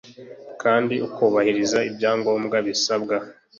kandi akubahiriza ibyangombwa bisabwa